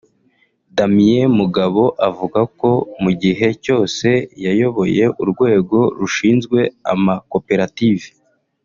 Damien Mugabo avuga ko mu gihe cyose yayoboye Urwego Rushinzwe Amakoperative